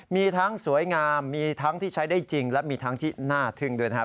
มีทั้งสวยงามมีทั้งที่ใช้ได้จริงและมีทั้งที่น่าทึ่งด้วยนะครับ